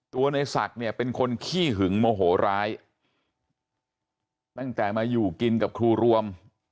ตัวในศักดิ์เนี่ยเป็นคนขี้หึงโมโหร้ายตั้งแต่มาอยู่กินกับครูรวม